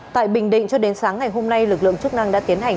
tại bình định cho đến sáng ngày hôm nay lực lượng chức năng đã tiến hành